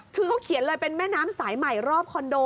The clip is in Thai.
คือเขาเขียนเลยเป็นแม่น้ำสายใหม่รอบคอนโด